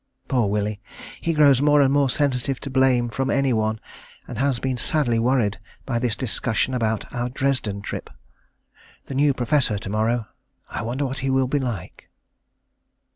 Poor Willie, he grows more and more sensitive to blame from any one, and has been sadly worried by this discussion about our Dresden trip. The new professor to morrow. I wonder what he will be like.